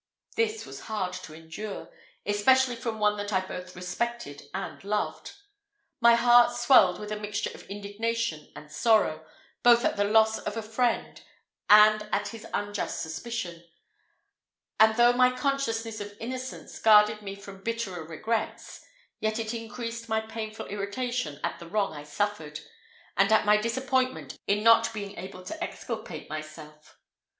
This was hard to endure, especially from one that I both respected and loved. My heart swelled with a mixture of indignation and sorrow, both at the loss of a friend, and at his unjust suspicions; and though my consciousness of innocence guarded me from bitterer regrets, yet it increased my painful irritation at the wrong I suffered, and at my disappointment in not being able to exculpate myself.